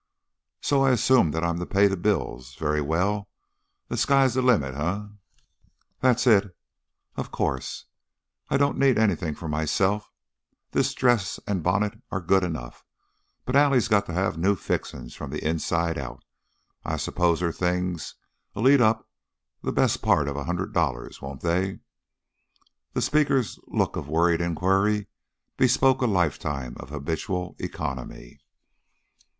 "So! I assume that I'm to pay the bills. Very well. The sky is the limit, eh?" "That's it. Of course, I don't need anything for myself this dress and bunnit are good enough but Allie's got to have new fixin's, from the inside out. I s'pose her things'll eat up the best part of a hundred dollars, won't they?" The speaker's look of worried inquiry bespoke a lifetime of habitual economy.